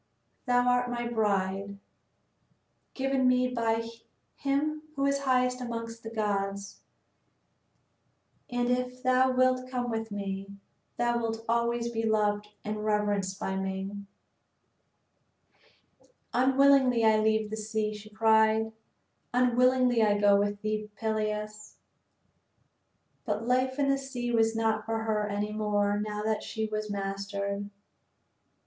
Thou art my bride, given me by him who is highest amongst the gods, and if thou wilt come with me, thou wilt always be loved and reverenced by me." "Unwillingly I leave the sea," she cried, "unwillingly I go with thee, Peleus." But life in the sea was not for her any more now that she was mastered.